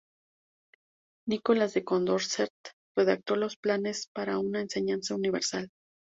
Nicolas de Condorcet redactó los planes para una enseñanza universal.